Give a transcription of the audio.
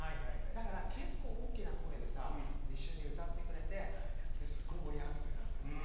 だから結構、大きな声で一緒に歌ってくれてすごい盛り上がってくれたんです。